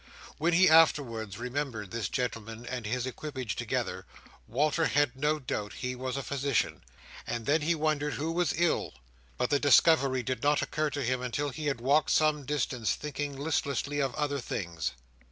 When he afterwards remembered this gentleman and his equipage together, Walter had no doubt he was a physician; and then he wondered who was ill; but the discovery did not occur to him until he had walked some distance, thinking listlessly of other things.